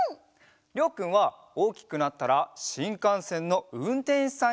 りょうくんはおおきくなったらしんかんせんのうんてんしさんになりたいんだって。